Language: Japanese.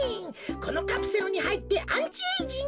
このカプセルにはいってアンチエージング